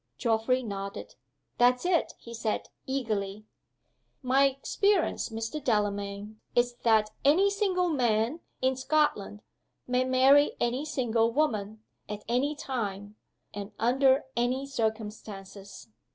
Geoffrey nodded. "That's it!" he said, eagerly. "My experience, Mr. Delamayn, is that any single man, in Scotland, may marry any single woman, at any time, and under any circumstances.